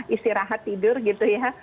istirahat tidur gitu ya